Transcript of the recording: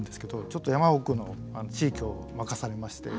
ちょっと山奥の地域を任されまして。